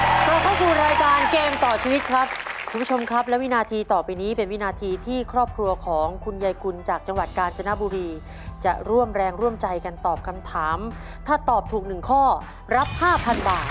กลับเข้าสู่รายการเกมต่อชีวิตครับคุณผู้ชมครับและวินาทีต่อไปนี้เป็นวินาทีที่ครอบครัวของคุณยายกุลจากจังหวัดกาญจนบุรีจะร่วมแรงร่วมใจกันตอบคำถามถ้าตอบถูกหนึ่งข้อรับ๕๐๐บาท